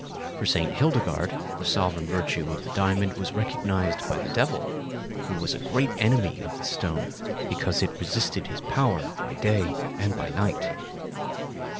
For St. Hildegard the sovereign virtue of the diamond was recognized by the devil, who was a great enemy of this stone because it resisted his power by day and by night.